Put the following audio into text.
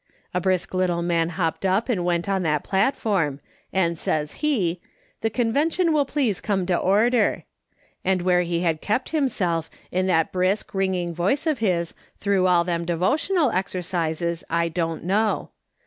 A brisk little man hopped up and went on that platform, and says he :' The Conven tion will please come to order.' And where he had kept himself, and that brisk, ringing voice of his through all them devotional exercises, I don't know.